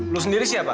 lo sendiri siapa